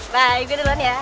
bye gue duluan ya